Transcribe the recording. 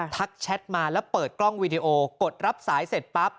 แชทมาแล้วเปิดกล้องวีดีโอกดรับสายเสร็จปั๊บ